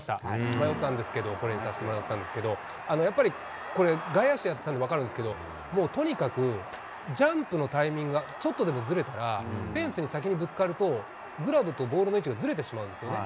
迷ったんですけど、これにさせてもらったんですけど、やっぱり、これ、外野手やってたら分かるんですけど、もうとにかく、ジャンプのタイミングがちょっとでもずれたら、フェンスに先にぶつかると、グラブとボールの位置がずれてしまうんですよね。